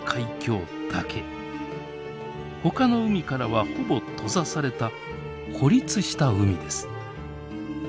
ほかの海からはほぼ閉ざされた孤立した海です。